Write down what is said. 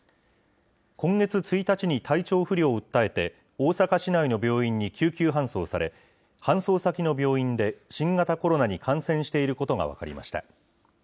今月１日に体調不良を訴えて、大阪市内の病院に救急搬送され、搬送先の病院で新型コロナに感染していることが分かりました。